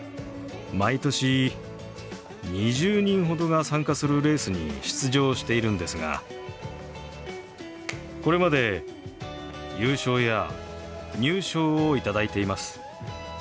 毎年２０人ほどが参加するレースに出場しているんですがこれまで優勝や入賞を頂いています。